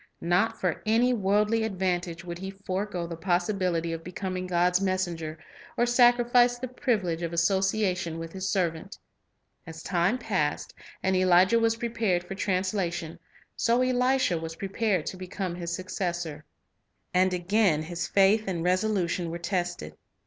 Not for any worldly advantage would he forego the possibility of becoming God's messenger, or sacrifice the privilege of association with His servant. As time passed, and Elijah was prepared for transla tion, so Elisha was prepared to become his successor. And again his faith and resolution were tested.